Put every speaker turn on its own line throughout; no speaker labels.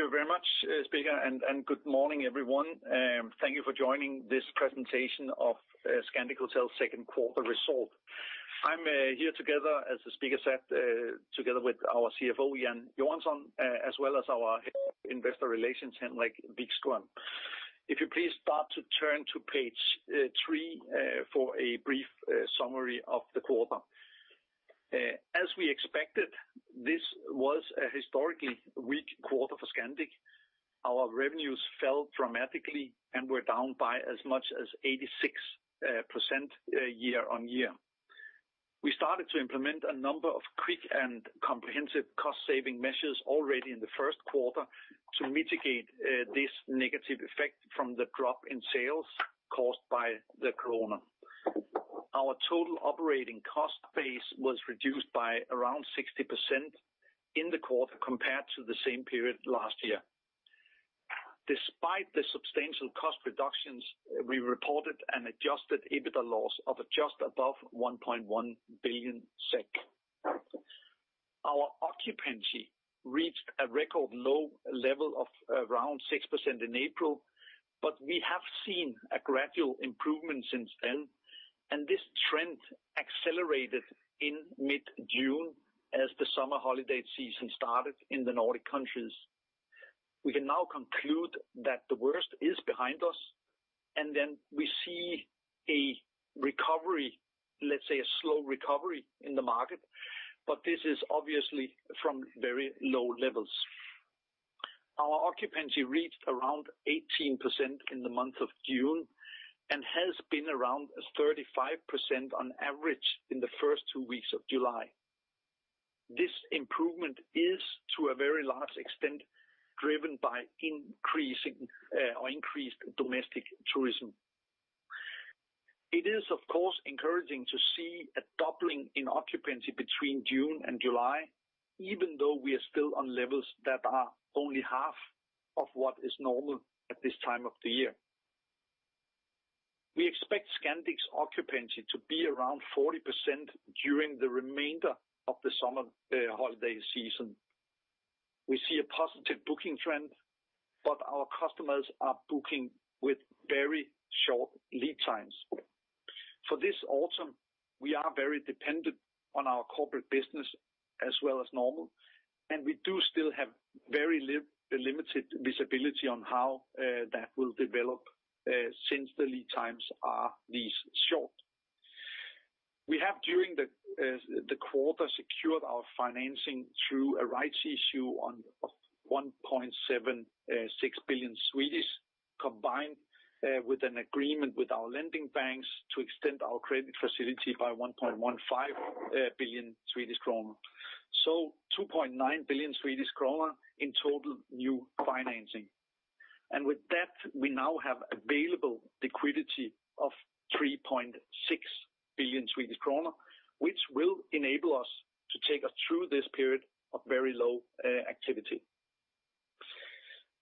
Thank you very much, speaker, and good morning, everyone. Thank you for joining this presentation of Scandic Hotels' second quarter result. I'm here together, as the speaker said, together with our CFO, Jan Johansson, as well as our investor relations, Henrik Vikström. If you please start to turn to page three for a brief summary of the quarter. As we expected, this was a historically weak quarter for Scandic. Our revenues fell dramatically and were down by as much as 86% year on year. We started to implement a number of quick and comprehensive cost-saving measures already in the first quarter to mitigate this negative effect from the drop in sales caused by the corona. Our total operating cost base was reduced by around 60% in the quarter compared to the same period last year. Despite the substantial cost reductions, we reported an adjusted EBITDA loss of just above 1.1 billion SEK. Our occupancy reached a record low level of around 6% in April, but we have seen a gradual improvement since then, and this trend accelerated in mid-June as the summer holiday season started in the Nordic countries. We can now conclude that the worst is behind us, and then we see a recovery, let's say a slow recovery in the market, but this is obviously from very low levels. Our occupancy reached around 18% in the month of June and has been around 35% on average in the first two weeks of July. This improvement is, to a very large extent, driven by increased domestic tourism. It is, of course, encouraging to see a doubling in occupancy between June and July, even though we are still on levels that are only half of what is normal at this time of the year. We expect Scandic's occupancy to be around 40% during the remainder of the summer holiday season. We see a positive booking trend, but our customers are booking with very short lead times. For this autumn, we are very dependent on our corporate business as well as normal, and we do still have very limited visibility on how that will develop since the lead times are these short. We have, during the quarter, secured our financing through a rights issue of 1.76 billion, combined with an agreement with our lending banks to extend our credit facility by 1.15 billion Swedish kronor. So, 2.9 billion Swedish kronor in total new financing. With that, we now have available liquidity of 3.6 billion Swedish kronor, which will enable us to take us through this period of very low activity.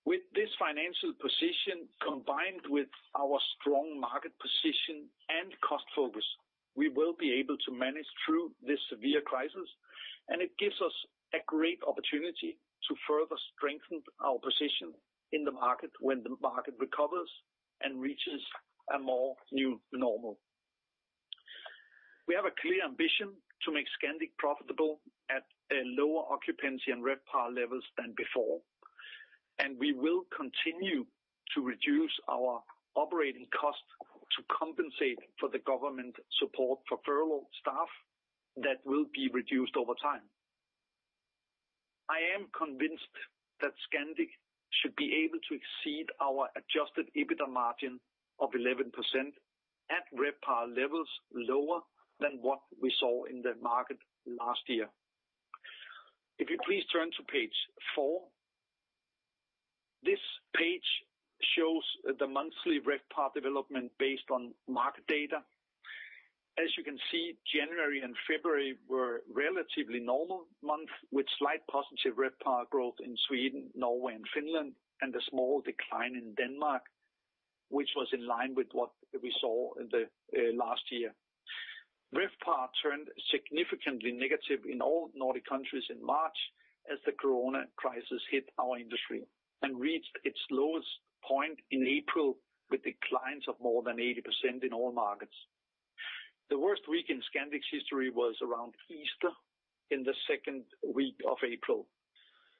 With this financial position, combined with our strong market position and cost focus, we will be able to manage through this severe crisis, and it gives us a great opportunity to further strengthen our position in the market when the market recovers and reaches a more new normal. We have a clear ambition to make Scandic profitable at lower occupancy and RevPAR levels than before, and we will continue to reduce our operating cost to compensate for the government support for furloughed staff that will be reduced over time. I am convinced that Scandic should be able to exceed our adjusted EBITDA margin of 11% at RevPAR levels lower than what we saw in the market last year. If you please turn to page four, this page shows the monthly RevPAR development based on market data. As you can see, January and February were relatively normal months with slight positive RevPAR growth in Sweden, Norway, and Finland, and a small decline in Denmark, which was in line with what we saw last year. RevPAR turned significantly negative in all Nordic countries in March as the corona crisis hit our industry and reached its lowest point in April with declines of more than 80% in all markets. The worst week in Scandic's history was around Easter in the second week of April.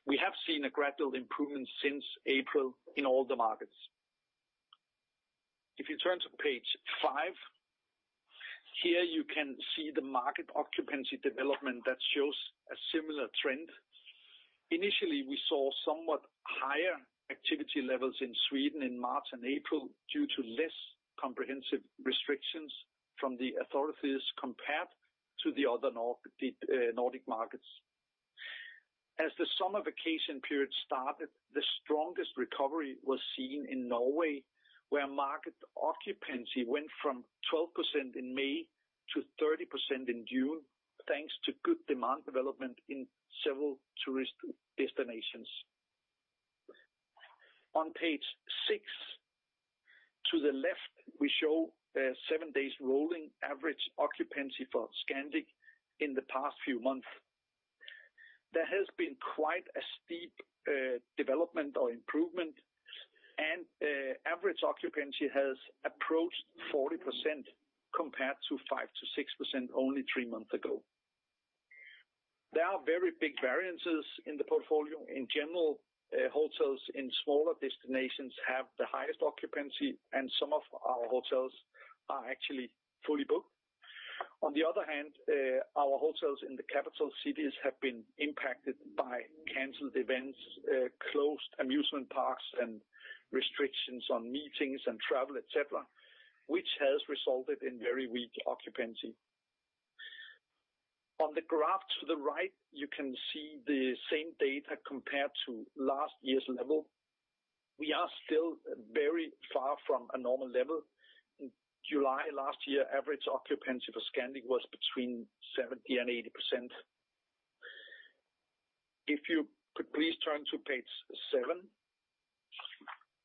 We have seen a gradual improvement since April in all the markets. If you turn to page five, here you can see the market occupancy development that shows a similar trend. Initially, we saw somewhat higher activity levels in Sweden in March and April due to less comprehensive restrictions from the authorities compared to the other Nordic markets. As the summer vacation period started, the strongest recovery was seen in Norway, where market occupancy went from 12% in May to 30% in June, thanks to good demand development in several tourist destinations. On page six to the left, we show seven days rolling average occupancy for Scandic in the past few months. There has been quite a steep development or improvement, and average occupancy has approached 40% compared to 5%-6% only three months ago. There are very big variances in the portfolio. In general, hotels in smaller destinations have the highest occupancy, and some of our hotels are actually fully booked. On the other hand, our hotels in the capital cities have been impacted by canceled events, closed amusement parks, and restrictions on meetings and travel, etc., which has resulted in very weak occupancy. On the graph to the right, you can see the same data compared to last year's level. We are still very far from a normal level. In July last year, average occupancy for Scandic was between 70% and 80%. If you could please turn to page seven,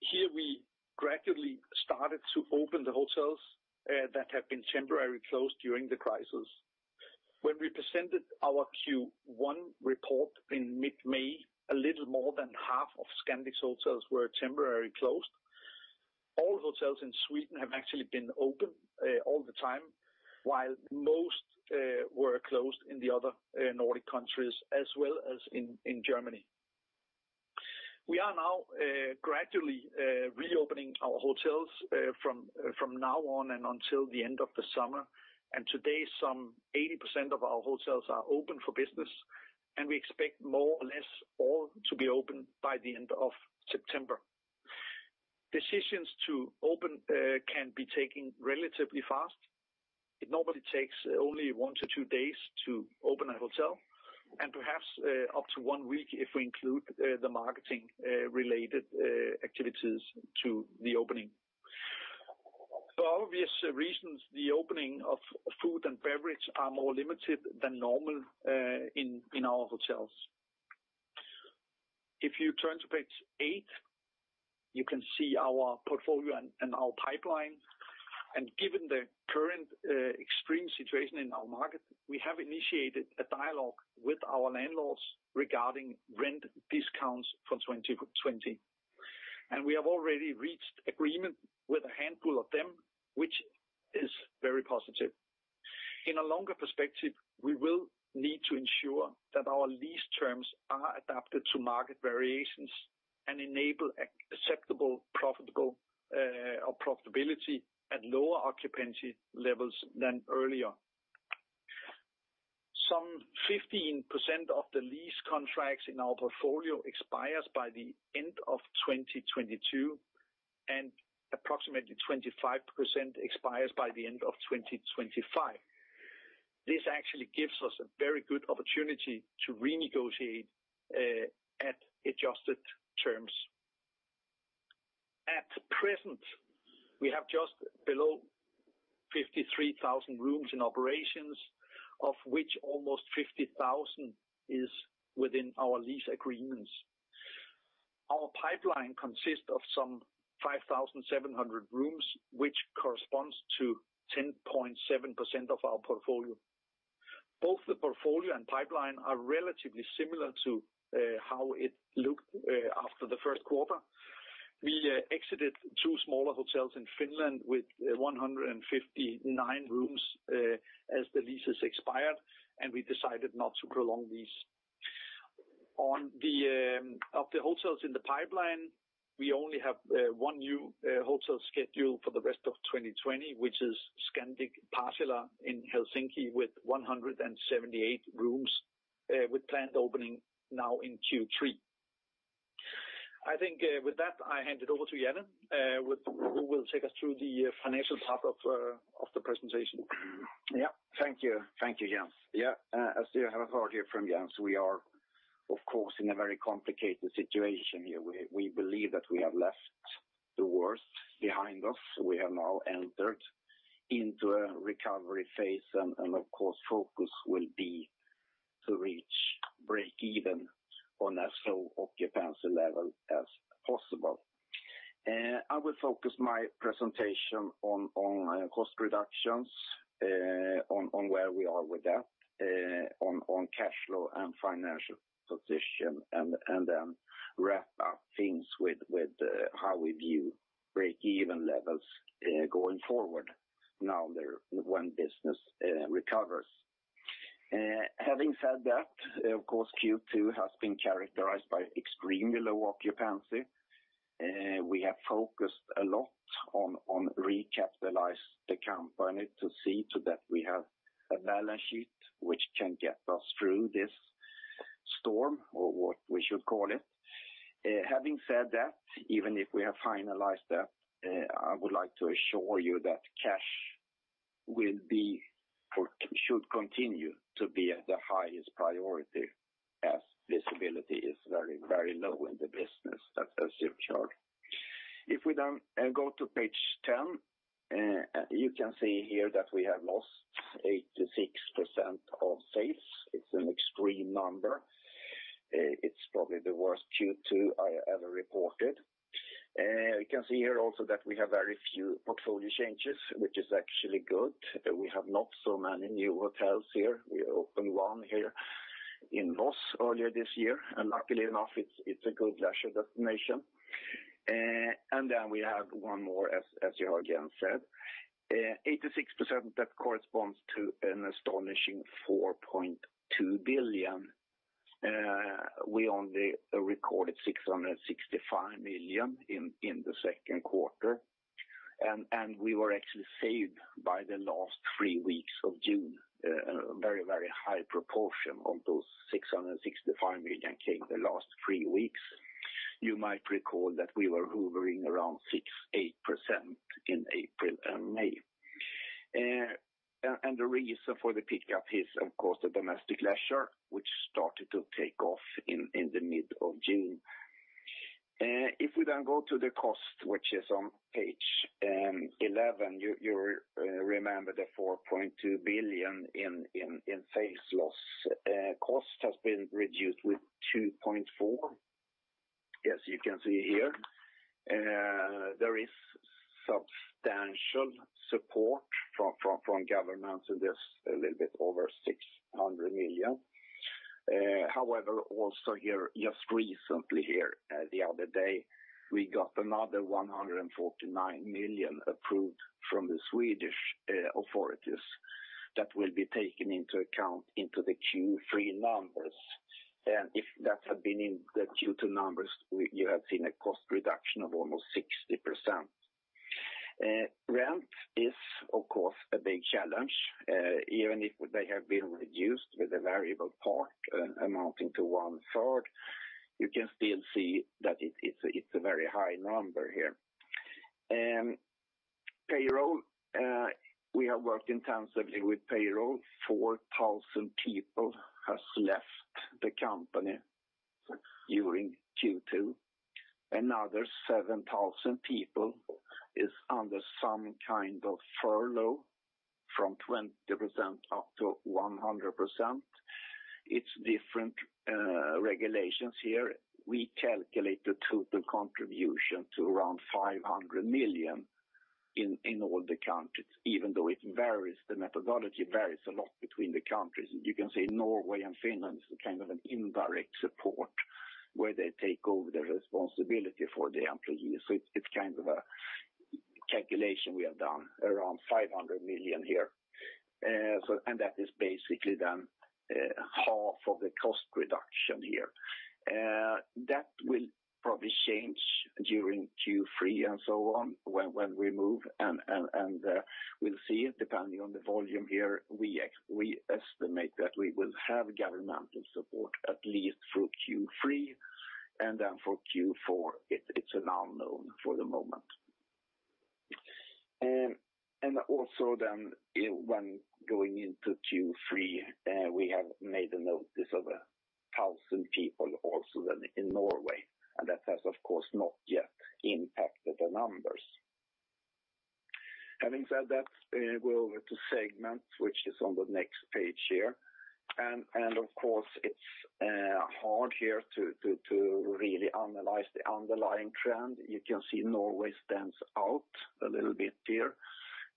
here we gradually started to open the hotels that have been temporarily closed during the crisis. When we presented our Q1 report in mid-May, a little more than half of Scandic's hotels were temporarily closed. All hotels in Sweden have actually been open all the time, while most were closed in the other Nordic countries, as well as in Germany. We are now gradually reopening our hotels from now on and until the end of the summer, and today some 80% of our hotels are open for business, and we expect more or less all to be open by the end of September. Decisions to open can be taken relatively fast. It normally takes only one to two days to open a hotel, and perhaps up to one week if we include the marketing-related activities to the opening. For obvious reasons, the opening of food and beverage are more limited than normal in our hotels. If you turn to page eight, you can see our portfolio and our pipeline. And given the current extreme situation in our market, we have initiated a dialogue with our landlords regarding rent discounts for 2020. And we have already reached agreement with a handful of them, which is very positive. In a longer perspective, we will need to ensure that our lease terms are adapted to market variations and enable acceptable profitability at lower occupancy levels than earlier. Some 15% of the lease contracts in our portfolio expires by the end of 2022, and approximately 25% expires by the end of 2025. This actually gives us a very good opportunity to renegotiate at adjusted terms. At present, we have just below 53,000 rooms in operations, of which almost 50,000 is within our lease agreements. Our pipeline consists of some 5,700 rooms, which corresponds to 10.7% of our portfolio. Both the portfolio and pipeline are relatively similar to how it looked after the first quarter. We exited two smaller hotels in Finland with 159 rooms as the leases expired, and we decided not to prolong these. Of the hotels in the pipeline, we only have one new hotel scheduled for the rest of 2020, which is Scandic Pasila in Helsinki with 178 rooms, with planned opening now in Q3. I think with that, I hand it over to Jan, who will take us through the financial part of the presentation.
Yeah, thank you. Thank you, Jens. Yeah, as you have heard here from Jens, we are, of course, in a very complicated situation. We believe that we have left the worst behind us. We have now entered into a recovery phase, and of course, focus will be to reach break-even on as low occupancy level as possible. I will focus my presentation on cost reductions, on where we are with that, on cash flow and financial position, and then wrap up things with how we view break-even levels going forward now when business recovers. Having said that, of course, Q2 has been characterized by extremely low occupancy. We have focused a lot on recapitalizing the company to see that we have a balance sheet which can get us through this storm, or what we should call it. Having said that, even if we have finalized that, I would like to assure you that cash will be or should continue to be the highest priority as visibility is very, very low in the business, as you've heard. If we then go to page 10, you can see here that we have lost 86% of sales. It's an extreme number. It's probably the worst Q2 I ever reported. You can see here also that we have very few portfolio changes, which is actually good. We have not so many new hotels here. We opened one here in Voss earlier this year, and luckily enough, it's a good leisure destination, and then we have one more, as Jens have said, 86% that corresponds to an astonishing 4.2 billion. We only recorded 665 million in the second quarter, and we were actually saved by the last three weeks of June. A very, very high proportion of those 665 million came the last three weeks. You might recall that we were hovering around 6%-8% in April and May. And the reason for the pickup is, of course, the domestic leisure, which started to take off in the mid of June. If we then go to the cost, which is on page 11, you remember the 4.2 billion in sales loss. Cost has been reduced with 2.4 billion, as you can see here. There is substantial support from governments in this a little bit over 600 million. However, also here, just recently here, the other day, we got another 149 million approved from the Swedish authorities that will be taken into account into the Q3 numbers. And if that had been in the Q2 numbers, you have seen a cost reduction of almost 60%. Rent is, of course, a big challenge. Even if they have been reduced with a variable part amounting to 1/3, you can still see that it's a very high number here. Payroll, we have worked intensively with payroll. 4,000 people have left the company during Q2. Another 7,000 people is under some kind of furlough from 20%-100%. It's different regulations here. We calculate the total contribution to around 500 million in all the countries, even though it varies. The methodology varies a lot between the countries. You can see Norway and Finland is kind of an indirect support where they take over the responsibility for the employees. So it's kind of a calculation we have done around 500 million here. And that is basically then half of the cost reduction here. That will probably change during Q3 and so on when we move, and we'll see it depending on the volume here. We estimate that we will have governmental support at least through Q3, and then for Q4, it's an unknown for the moment. Also then, when going into Q3, we have made a notice of 1,000 people also in Norway, and that has, of course, not yet impacted the numbers. Having said that, we'll go to segments, which is on the next page here. Of course, it's hard here to really analyze the underlying trend. You can see Norway stands out a little bit here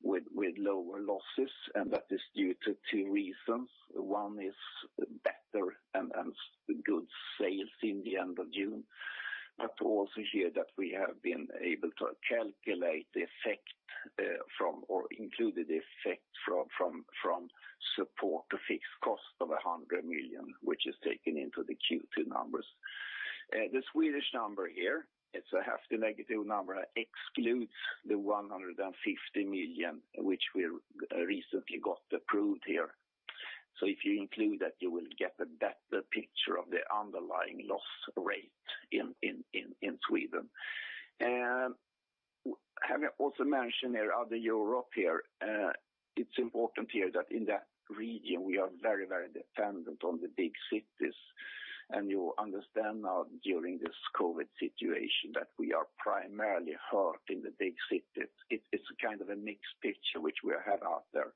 with lower losses, and that is due to two reasons. One is better and good sales in the end of June, but also here that we have been able to calculate the effect from or included the effect from support to fixed cost of 100 million, which is taken into the Q2 numbers. The Swedish number here, it's a hefty negative number, excludes the 150 million which we recently got approved here. So if you include that, you will get a better picture of the underlying loss rate in Sweden. Having also mentioned here other Europe here, it's important here that in that region, we are very, very dependent on the big cities, and you understand now during this COVID situation that we are primarily hurt in the big cities. It's kind of a mixed picture which we have out there.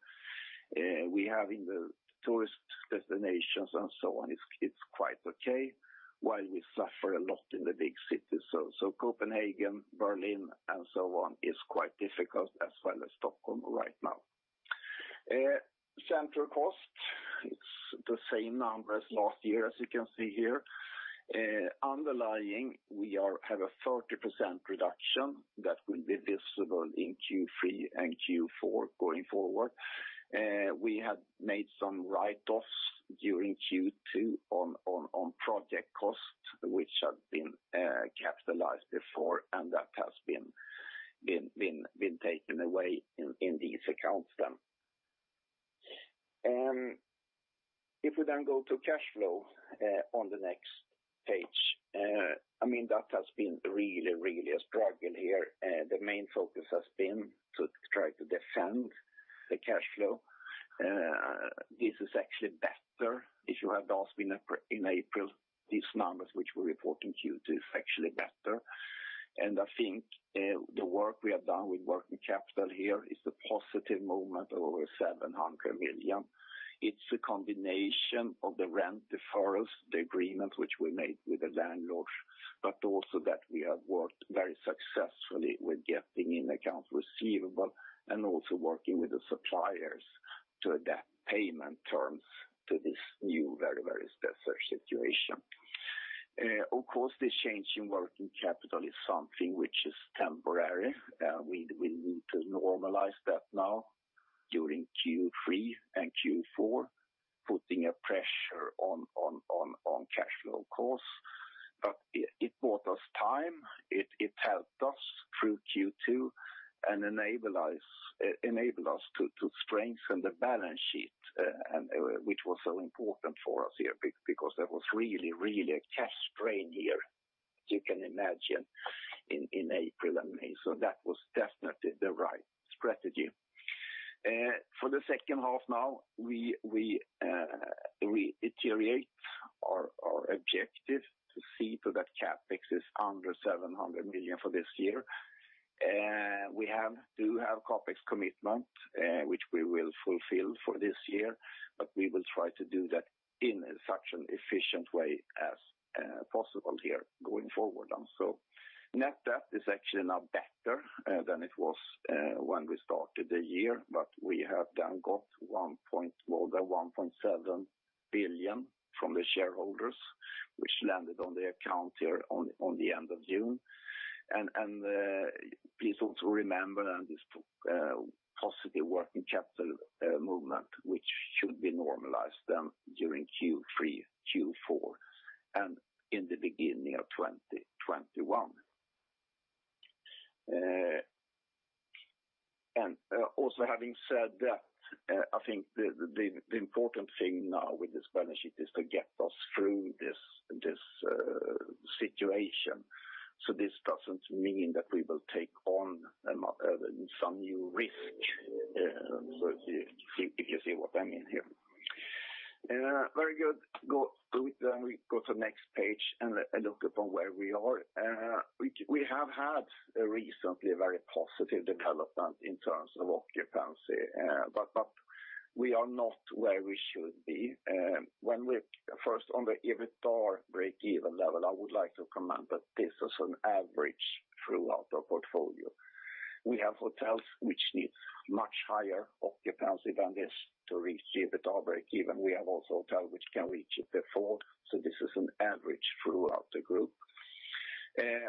We have in the tourist destinations and so on, it's quite okay, while we suffer a lot in the big cities, so Copenhagen, Berlin, and so on is quite difficult as well as Stockholm right now. Central cost, it's the same number as last year, as you can see here. Underlying, we have a 30% reduction that will be visible in Q3 and Q4 going forward. We had made some write-offs during Q2 on project cost, which had been capitalized before, and that has been taken away in these accounts then. If we then go to cash flow on the next page, I mean, that has been really, really a struggle here. The main focus has been to try to defend the cash flow. This is actually better. If you had asked me in April, these numbers which we report in Q2 is actually better, and I think the work we have done with working capital here is a positive movement over 700 million. It's a combination of the rent deferrals, the agreements which we made with the landlord, but also that we have worked very successfully with getting in accounts receivable and also working with the suppliers to adapt payment terms to this new very, very special situation. Of course, this change in working capital is something which is temporary. We need to normalize that now during Q3 and Q4, putting a pressure on cash flow costs. But it bought us time. It helped us through Q2 and enabled us to strengthen the balance sheet, which was so important for us here because there was really, really a cash strain here, as you can imagine, in April and May. So that was definitely the right strategy. For the second half now, we reiterate our objective to see that CapEx is under 700 million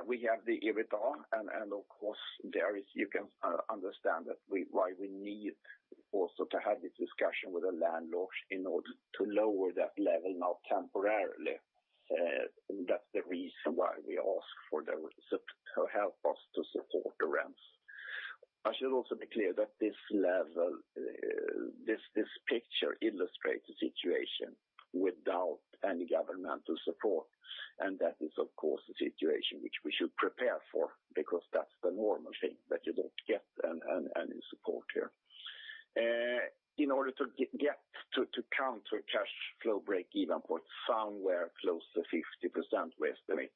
We have the EBITDA, and of course, you can understand why we need also to have this discussion with the landlord in order to lower that level now temporarily. That's the reason why we ask for them to help us to support the rents. I should also be clear that this picture illustrates the situation without any governmental support, and that is, of course, a situation which we should prepare for because that's the normal thing that you don't get any support here. In order to get to current cash flow break-even point somewhere close to 50%, we estimate.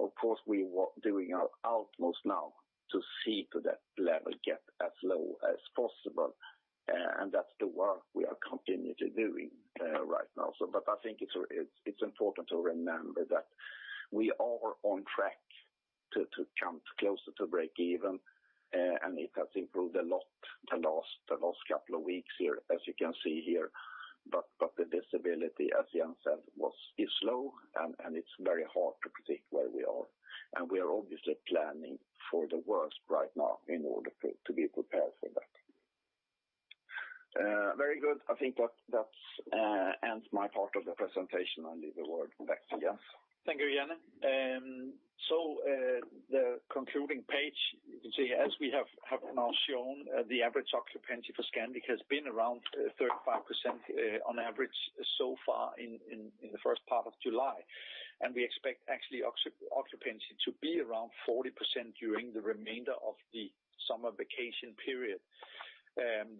Of course, we are doing our utmost now to see to that level get as low as possible, and that's the work we are continuing to do right now. But I think it's important to remember that we are on track to come closer to break-even, and it has improved a lot the last couple of weeks here, as you can see here. But the visibility, as Jan said, is low, and it's very hard to predict where we are. We are obviously planning for the worst right now in order to be prepared for that. Very good. I think that ends my part of the presentation. I'll leave the word back to Jens.
Thank you, Jan. The concluding page, you can see, as we have now shown, the average occupancy for Scandic has been around 35% on average so far in the first part of July. We expect actually occupancy to be around 40% during the remainder of the summer vacation period.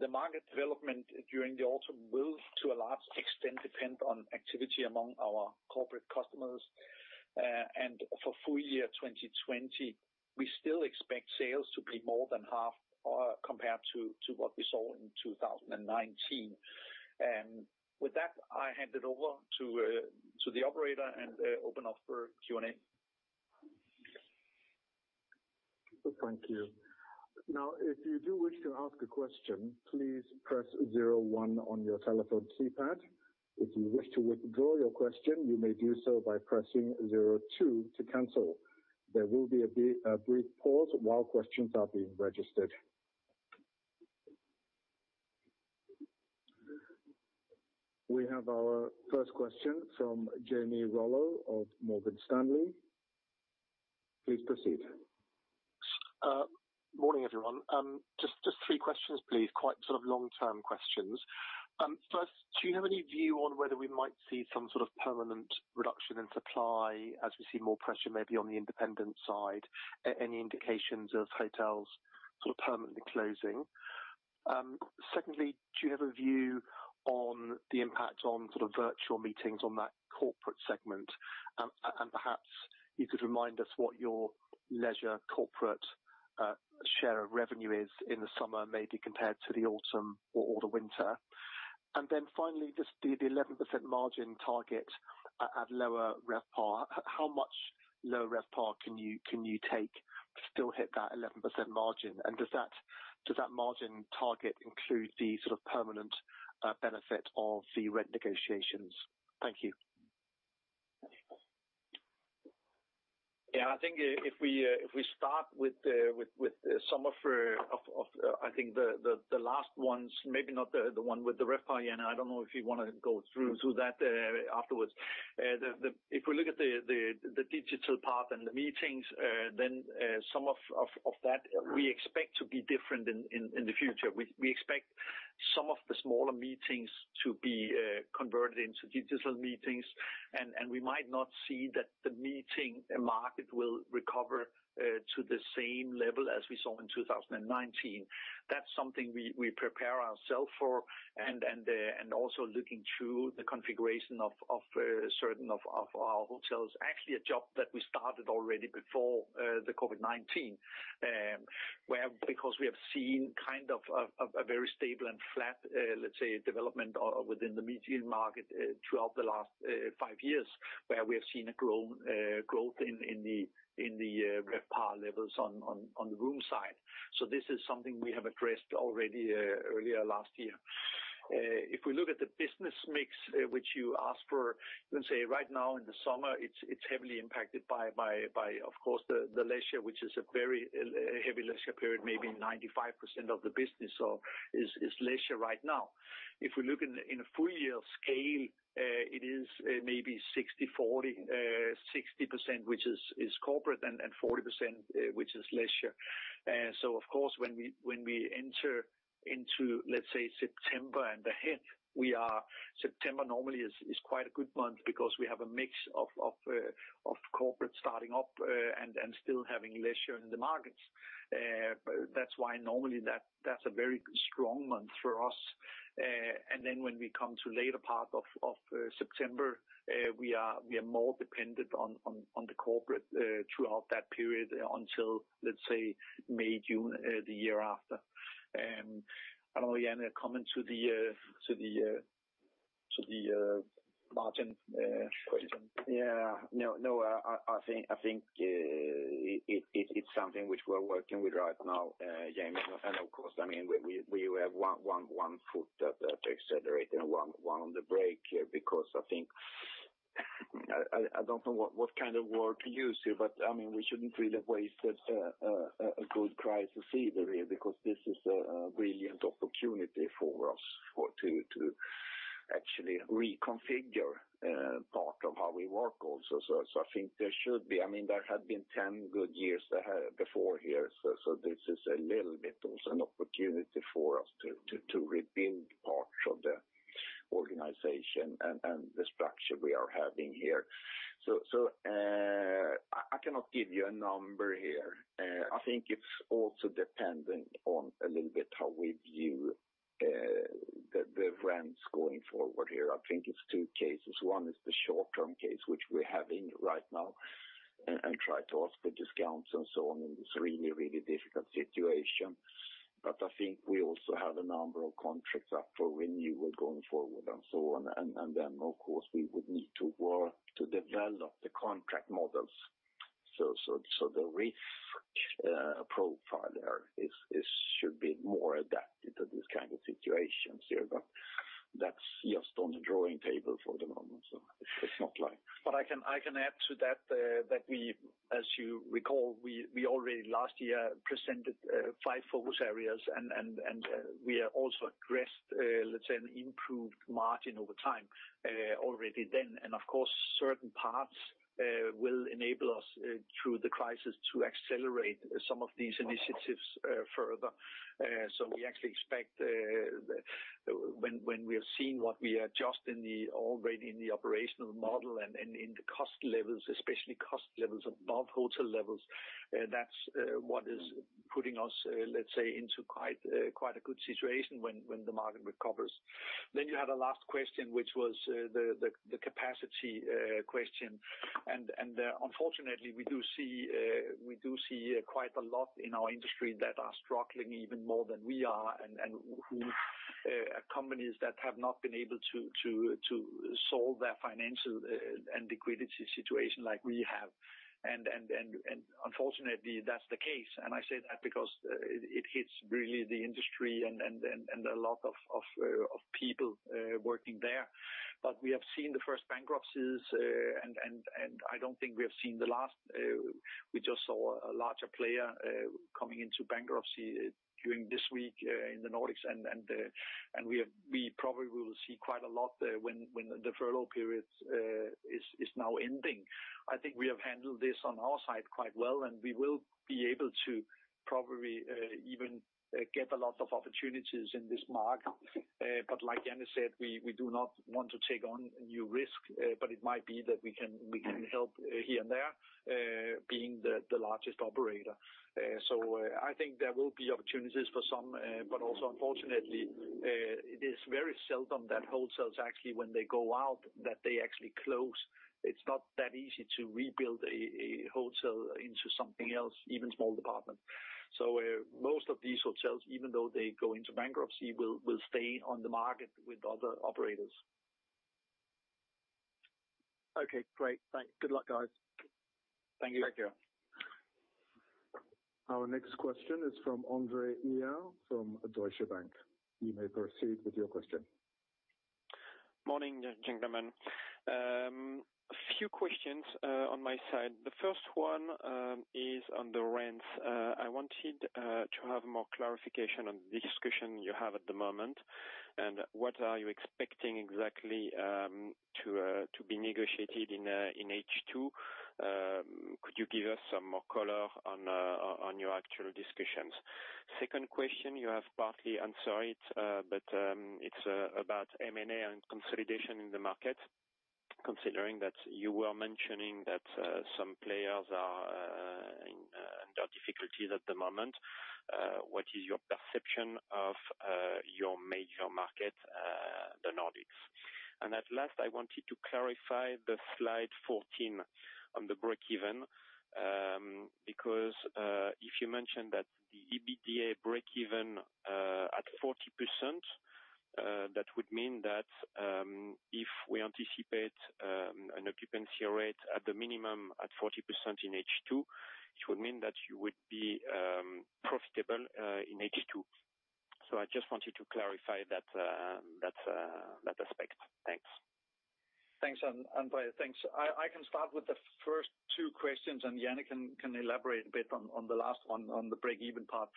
The market development during the autumn will, to a large extent, depend on activity among our corporate customers. For full year 2020, we still expect sales to be more than half compared to what we saw in 2019. With that, I hand it over to the operator and open up for Q&A. Thank you.
Now, if you do wish to ask a question, please press zero one on your telephone keypad. If you wish to withdraw your question, you may do so by pressing zero two to cancel. There will be a brief pause while questions are being registered. We have our first question from Jamie Rollo of Morgan Stanley. Please proceed.
Morning, everyone. Just three questions, please. Quite sort of long-term questions. First, do you have any view on whether we might see some sort of permanent reduction in supply as we see more pressure maybe on the independent side? Any indications of hotels sort of permanently closing? Secondly, do you have a view on the impact on sort of virtual meetings on that corporate segment? And perhaps you could remind us what your leisure corporate share of revenue is in the summer, maybe compared to the autumn or the winter. And then finally, just the 11% margin target at lower RevPAR. How much lower RevPAR can you take to still hit that 11% margin? And does that margin target include the sort of permanent benefit of the rent negotiations? Thank you.
Yeah, I think if we start with some of, I think, the last ones, maybe not the one with the RevPAR, Jan. I don't know if you want to go through that afterwards. If we look at the digital part and the meetings, then some of that we expect to be different in the future. We expect some of the smaller meetings to be converted into digital meetings, and we might not see that the meeting market will recover to the same level as we saw in 2019. That's something we prepare ourselves for. Also looking through the configuration of certain of our hotels, actually a job that we started already before the COVID-19, where because we have seen kind of a very stable and flat, let's say, development within the median market throughout the last five years, where we have seen a growth in the RevPAR levels on the room side. This is something we have addressed already earlier last year. If we look at the business mix, which you asked for, you can say right now in the summer, it's heavily impacted by, of course, the leisure, which is a very heavy leisure period, maybe 95% of the business is leisure right now. If we look in a full year scale, it is maybe 60/40, 60%, which is corporate and 40%, which is leisure. So, of course, when we enter into, let's say, September and the heat, we are, September normally is quite a good month because we have a mix of corporate starting up and still having leisure in the markets. That's why normally that's a very strong month for us. And then when we come to later part of September, we are more dependent on the corporate throughout that period until, let's say, May, June the year after. I don't know, Jan, a comment to the margin question?
Yeah. No, I think it's something which we're working with right now, Jamie. And of course, I mean, we have one foot that's accelerating and one on the brake here because I think I don't know what kind of work you do, but I mean, we shouldn't really waste a good crisis either here because this is a brilliant opportunity for us to actually reconfigure part of how we work also. So I think there should be. I mean, there had been 10 good years before here. So this is a little bit also an opportunity for us to rebuild parts of the organization and the structure we are having here. So I cannot give you a number here. I think it's also dependent on a little bit how we view the rents going forward here. I think it's two cases. One is the short-term case, which we're having right now, and try to ask for discounts and so on in this really, really difficult situation. But I think we also have a number of contracts up for renewal going forward and so on. And then, of course, we would need to work to develop the contract models. So the risk profile there should be more adapted to this kind of situation here. But that's just on the drawing table for the moment. So it's not like.
But I can add to that that we, as you recall, we already last year presented five focus areas, and we also addressed, let's say, an improved margin over time already then. And of course, certain parts will enable us through the crisis to accelerate some of these initiatives further. So we actually expect when we have seen what we are just already in the operational model and in the cost levels, especially cost levels above hotel levels, that's what is putting us, let's say, into quite a good situation when the market recovers. Then you had a last question, which was the capacity question. And unfortunately, we do see quite a lot in our industry that are struggling even more than we are and companies that have not been able to solve their financial and liquidity situation like we have. And unfortunately, that's the case. And I say that because it hits really the industry and a lot of people working there. But we have seen the first bankruptcies, and I don't think we have seen the last. We just saw a larger player coming into bankruptcy during this week in the Nordics, and we probably will see quite a lot when the furlough period is now ending. I think we have handled this on our side quite well, and we will be able to probably even get a lot of opportunities in this market, but like Jan said, we do not want to take on new risk, but it might be that we can help here and there being the largest operator. So I think there will be opportunities for some, but also, unfortunately, it is very seldom that hotels, actually, when they go out, that they actually close. It's not that easy to rebuild a hotel into something else, even small departments, so most of these hotels, even though they go into bankruptcy, will stay on the market with other operators.
Okay. Great. Thanks. Good luck, guys.
Thank you.
Thank you.
Our next question is from André Juillard from Deutsche Bank. You may proceed with your question.
Morning, gentlemen. A few questions on my side. The first one is on the rents. I wanted to have more clarification on the discussion you have at the moment and what are you expecting exactly to be negotiated in H2. Could you give us some more color on your actual discussions? Second question, you have partly answered it, but it's about M&A and consolidation in the market, considering that you were mentioning that some players are in difficulties at the moment. What is your perception of your major market, the Nordics? At last, I wanted to clarify the slide 14 on the break-even because if you mentioned that the EBITDA break-even at 40%, that would mean that if we anticipate an occupancy rate at the minimum at 40% in H2, it would mean that you would be profitable in H2. So I just wanted to clarify that aspect. Thanks.
Thanks, Andreas. Thanks. I can start with the first two questions, and Jan can elaborate a bit on the last one on the break-even part.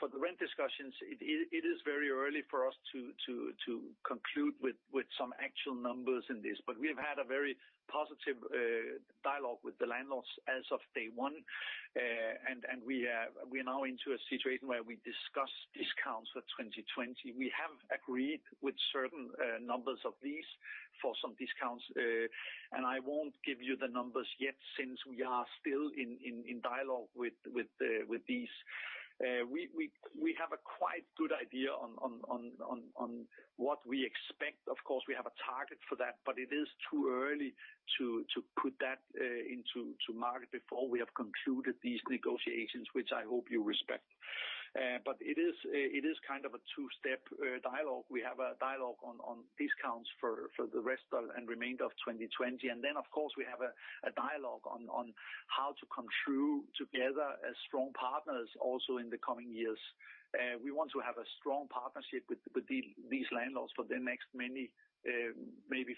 For the rent discussions, it is very early for us to conclude with some actual numbers in this, but we have had a very positive dialogue with the landlords as of day one, and we are now into a situation where we discuss discounts for 2020. We have agreed with certain numbers of these for some discounts, and I won't give you the numbers yet since we are still in dialogue with these. We have a quite good idea on what we expect. Of course, we have a target for that, but it is too early to put that into market before we have concluded these negotiations, which I hope you respect, but it is kind of a two-step dialogue. We have a dialogue on discounts for the rest and remainder of 2020, and then, of course, we have a dialogue on how to come through together as strong partners also in the coming years. We want to have a strong partnership with these landlords for the next maybe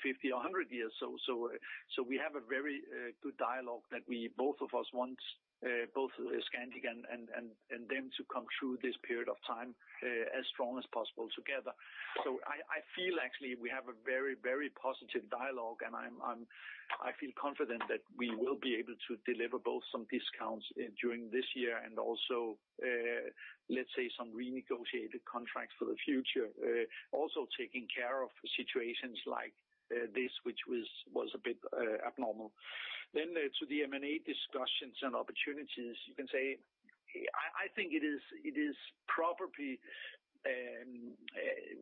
50 or 100 years. So we have a very good dialogue that we both of us want, both Scandic and them, to come through this period of time as strong as possible together. So I feel actually we have a very, very positive dialogue, and I feel confident that we will be able to deliver both some discounts during this year and also, let's say, some renegotiated contracts for the future, also taking care of situations like this, which was a bit abnormal. Then to the M&A discussions and opportunities, you can say, I think it's probably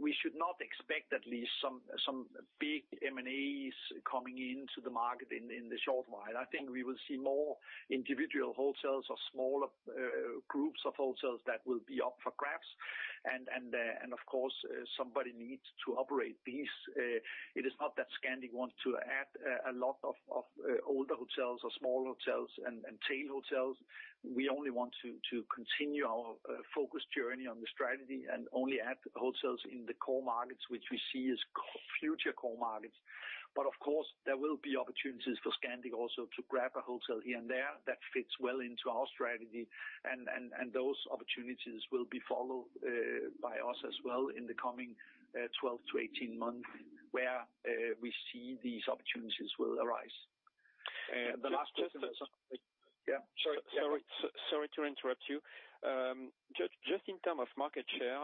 we should not expect at least some big M&As coming into the market in the short while. I think we will see more individual hotels or smaller groups of hotels that will be up for grabs, and of course, somebody needs to operate these. It is not that Scandic wants to add a lot of older hotels or small hotels and tail hotels. We only want to continue our focus journey on the strategy and only add hotels in the core markets, which we see as future core markets, but of course, there will be opportunities for Scandic also to grab a hotel here and there that fits well into our strategy, and those opportunities will be followed by us as well in the coming 12 to 18 months where we see these opportunities will arise. The last question is yeah.
Sorry to interrupt you. Just in terms of market share,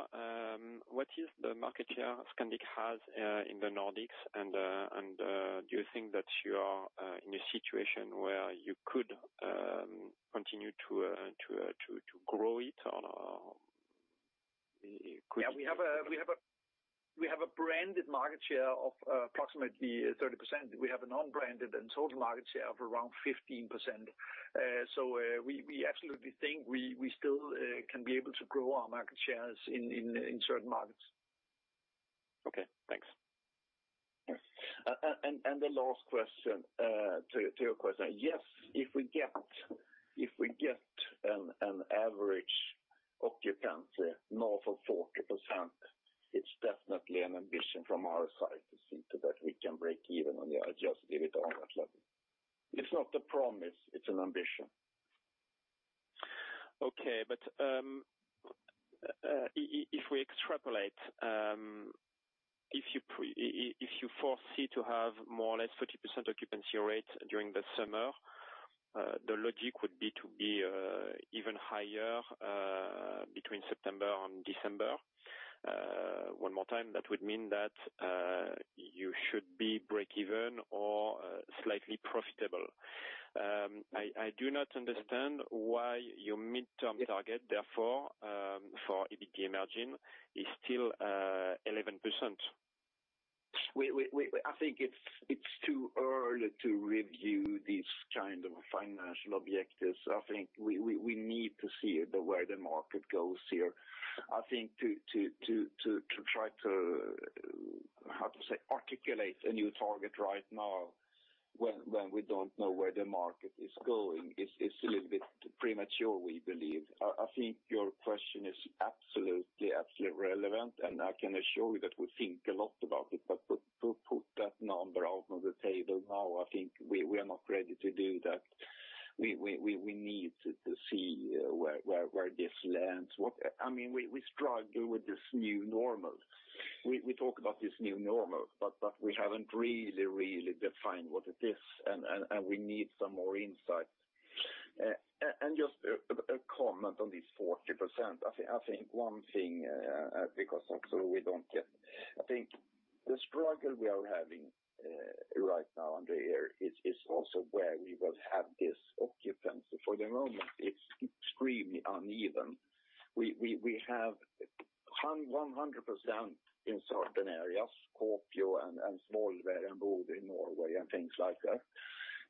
what is the market share Scandic has in the Nordics, and do you think that you are in a situation where you could continue to grow it?
Yeah, we have a branded market share of approximately 30%. We have an unbranded and total market share of around 15%. So we absolutely think we still can be able to grow our market shares in certain markets.
Okay. Thanks.
And the last question to your question. Yes, if we get an average occupancy north of 40%, it's definitely an ambition from our side to see that we can break even on the adjusted EBITDA on that level. It's not a promise. It's an ambition.
Okay. But if we extrapolate, if you foresee to have more or less 40% occupancy rate during the summer, the logic would be to be even higher between September and December. One more time, that would mean that you should be break-even or slightly profitable. I do not understand why your midterm target, therefore, for EBITDA margin is still 11%.
I think it's too early to review these kind of financial objectives. I think we need to see where the market goes here. I think to try to, how to say, articulate a new target right now when we don't know where the market is going is a little bit premature, we believe. I think your question is absolutely, absolutely relevant, and I can assure you that we think a lot about it. But to put that number out on the table now, I think we are not ready to do that. We need to see where this lands. I mean, we struggle with this new normal. We talk about this new normal, but we haven't really, really defined what it is, and we need some more insight. Just a comment on this 40%. I think one thing, because also we don't get I think the struggle we are having right now, André, is also where we will have this occupancy. For the moment, it's extremely uneven. We have 100% in certain areas, Skopje and Svolvær and Bodø in Norway and things like that.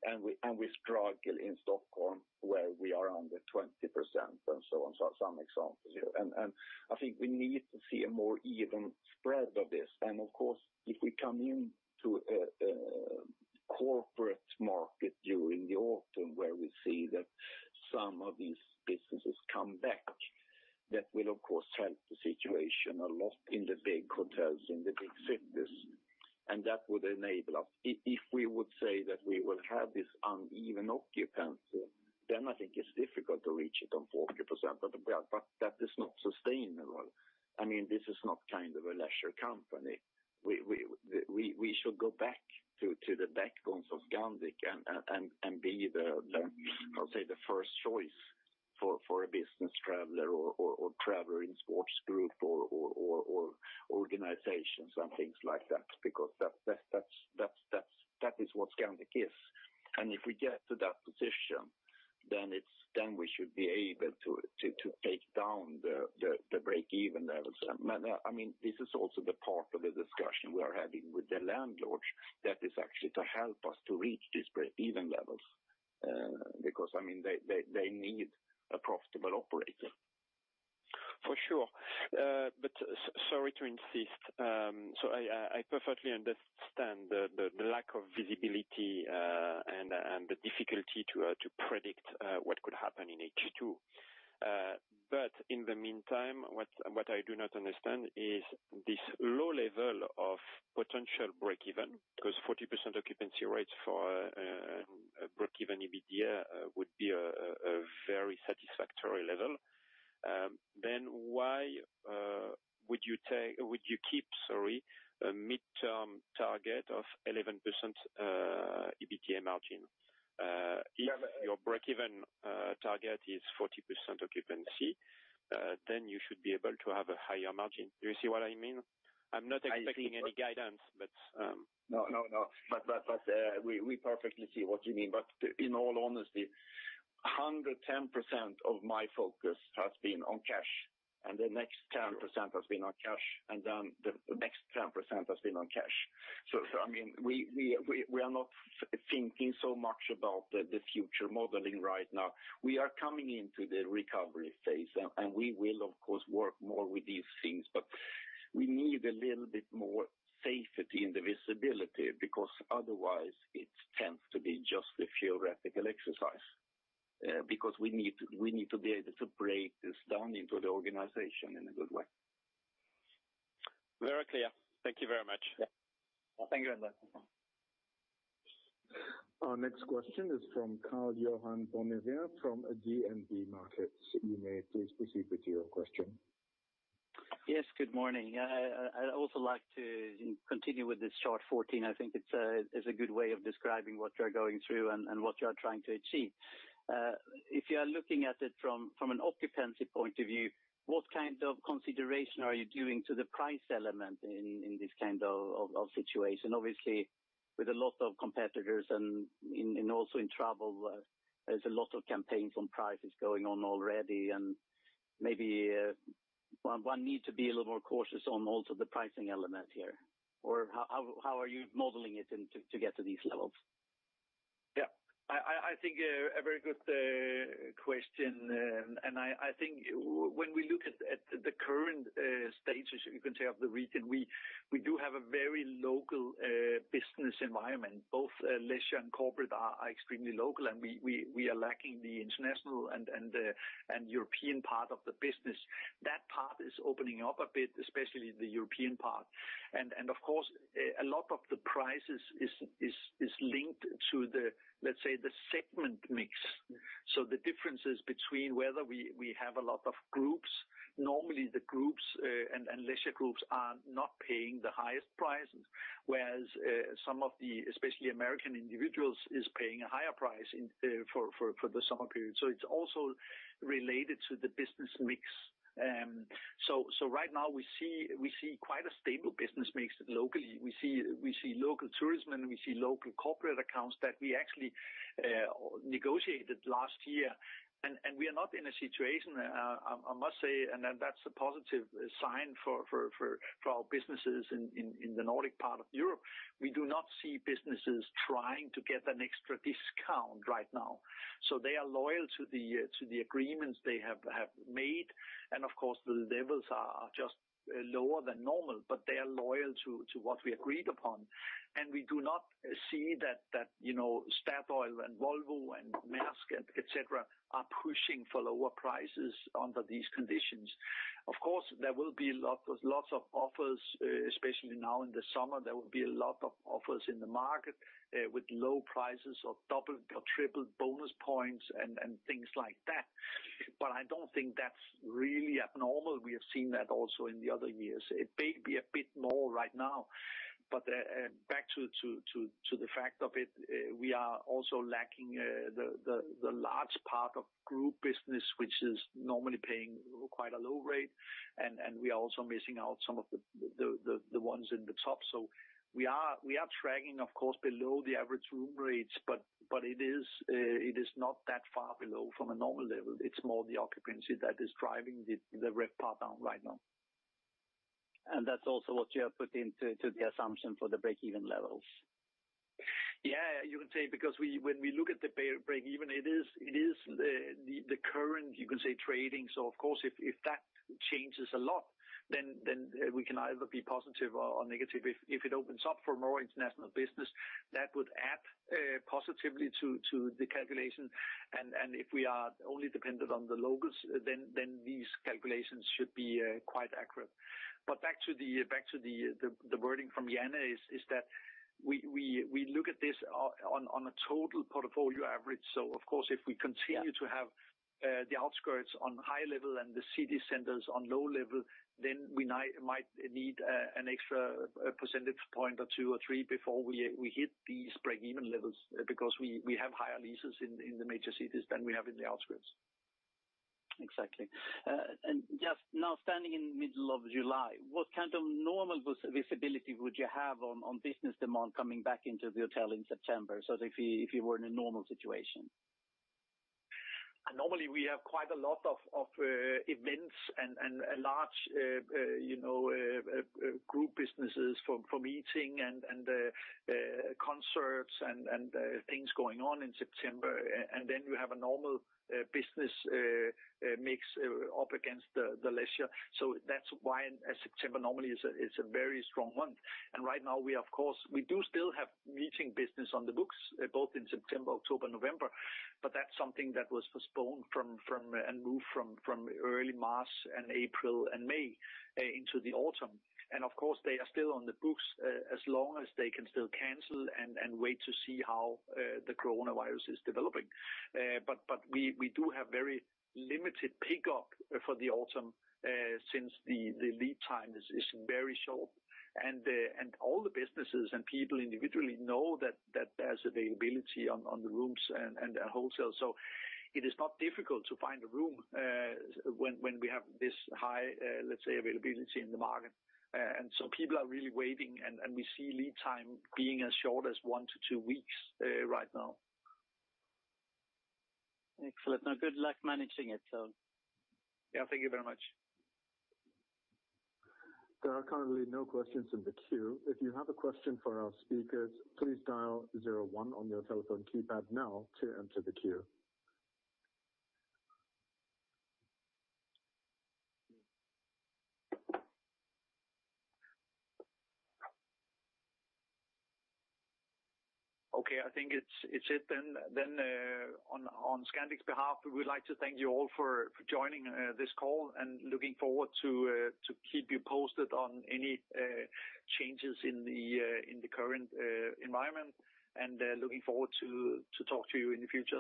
And we struggle in Stockholm where we are under 20% and so on, some examples. And I think we need to see a more even spread of this. And of course, if we come into a corporate market during the autumn where we see that some of these businesses come back, that will, of course, help the situation a lot in the big hotels in the big cities. And that would enable us. If we would say that we will have this uneven occupancy, then I think it's difficult to reach it on 40%. But that is not sustainable. I mean, this is not kind of a leisure company. We should go back to the backbones of Scandic and be the, I'll say, the first choice for a business traveler or traveler in sports group or organizations and things like that, because that is what Scandic is, and if we get to that position, then we should be able to take down the break-even levels. I mean, this is also the part of the discussion we are having with the landlords that is actually to help us to reach these break-even levels, because, I mean, they need a profitable operator.
For sure, but sorry to insist, so I perfectly understand the lack of visibility and the difficulty to predict what could happen in H2, but in the meantime, what I do not understand is this low level of potential break-even, because 40% occupancy rates for a break-even EBITDA would be a very satisfactory level. Then why would you keep, sorry, a midterm target of 11% EBITDA margin? If your break-even target is 40% occupancy, then you should be able to have a higher margin. Do you see what I mean? I'm not expecting any guidance, but...
No, no, no. But we perfectly see what you mean. But in all honesty, 110% of my focus has been on cash, and the next 10% has been on cash, and then the next 10% has been on cash. So, I mean, we are not thinking so much about the future modeling right now. We are coming into the recovery phase, and we will, of course, work more with these things, but we need a little bit more safety in the visibility, because otherwise it tends to be just a theoretical exercise, because we need to be able to break this down into the organization in a good way.
Very clear. Thank you very much.
Thank you, André.
Our next question is from Karl-Johan Bonnevier from DNB Markets. You may please proceed with your question.
Yes, good morning. I'd also like to continue with this chart 14. I think it's a good way of describing what you're going through and what you're trying to achieve. If you are looking at it from an occupancy point of view, what kind of consideration are you doing to the price element in this kind of situation? Obviously, with a lot of competitors and also in travel, there's a lot of campaigns on prices going on already, and maybe one needs to be a little more cautious on also the pricing element here. Or how are you modeling it to get to these levels?
Yeah. I think a very good question. And I think when we look at the current stages, you can say of the region, we do have a very local business environment. Both leisure and corporate are extremely local, and we are lacking the international and European part of the business. That part is opening up a bit, especially the European part. And of course, a lot of the prices is linked to the, let's say, the segment mix. So the differences between whether we have a lot of groups, normally the groups and leisure groups are not paying the highest prices, whereas some of the, especially American individuals, are paying a higher price for the summer period. So it's also related to the business mix. So right now we see quite a stable business mix locally. We see local tourism, and we see local corporate accounts that we actually negotiated last year. And we are not in a situation, I must say, and that's a positive sign for our businesses in the Nordic part of Europe. We do not see businesses trying to get an extra discount right now. So they are loyal to the agreements they have made. And of course, the levels are just lower than normal, but they are loyal to what we agreed upon. And we do not see that Statoil and Volvo and Maersk, etc., are pushing for lower prices under these conditions. Of course, there will be lots of offers, especially now in the summer. There will be a lot of offers in the market with low prices or double or triple bonus points and things like that. But I don't think that's really abnormal. We have seen that also in the other years. It may be a bit more right now. But back to the fact of it, we are also lacking the large part of group business, which is normally paying quite a low rate. And we are also missing out some of the ones in the top. So we are tracking, of course, below the average room rates, but it is not that far below from a normal level. It's more the occupancy that is driving the red part down right now. And that's also what you have put into the assumption for the break-even levels. Yeah, you can say, because when we look at the break-even, it is the current, you can say, trading. So of course, if that changes a lot, then we can either be positive or negative. If it opens up for more international business, that would add positively to the calculation. And if we are only dependent on the locals, then these calculations should be quite accurate. But back to the wording from Jan, that is that we look at this on a total portfolio average. So, of course, if we continue to have the outskirts on high level and the city centers on low level, then we might need an extra percentage point or two or three before we hit these break-even levels, because we have higher leases in the major cities than we have in the outskirts.
Exactly. And, just now, standing in the middle of July, what kind of normal visibility would you have on business demand coming back into the hotel in September? So if you were in a normal situation?
Normally, we have quite a lot of events and large group businesses for meeting and concerts and things going on in September. And then you have a normal business mix up against the leisure. So that's why September normally is a very strong month. And right now, of course, we do still have meeting business on the books, both in September, October, November. But that's something that was postponed and moved from early March and April and May into the autumn. And of course, they are still on the books as long as they can still cancel and wait to see how the coronavirus is developing. But we do have very limited pickup for the autumn since the lead time is very short. And all the businesses and people individually know that there's availability on the rooms and wholesale. So it is not difficult to find a room when we have this high, let's say, availability in the market. And so people are really waiting, and we see lead time being as short as one to two weeks right now.
Excellent. Now, good luck managing it, so.
Yeah, thank you very much.
There are currently no questions in the queue. If you have a question for our speakers, please dial zero one on your telephone keypad now to enter the queue.
Okay, I think that's it then. Then on Scandic's behalf, we would like to thank you all for joining this call and looking forward to keep you posted on any changes in the current environment and looking forward to talk to you in the future.